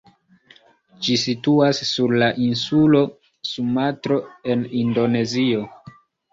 Ĝi situas sur la insulo Sumatro en Indonezio.